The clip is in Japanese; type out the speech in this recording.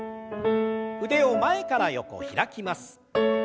腕を前から横開きます。